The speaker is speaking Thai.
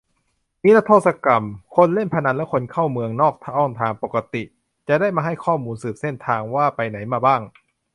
นิรโทษกรรม คนเล่นพนันและคนเข้าเมืองนอกช่องทางปกติ - จะได้มาให้ข้อมูล สืบเส้นทางว่าไปไหนมาบ้าง